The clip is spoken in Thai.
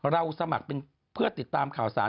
สมัครเป็นเพื่อติดตามข่าวสาร